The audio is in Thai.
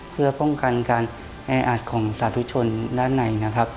เพื่อป้องกันการแออาจของสาธุชนด้านใน